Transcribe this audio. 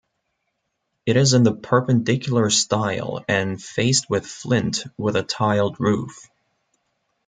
It is in the Perpendicular style and faced with flint with a tiled roof.